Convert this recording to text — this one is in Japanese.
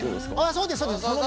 そうですそうです。